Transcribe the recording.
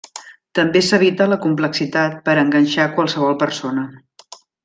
També s'evita la complexitat per a enganxar qualsevol persona.